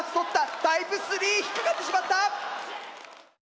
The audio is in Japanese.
タイプ３引っ掛かってしまった！